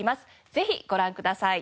ぜひご覧ください。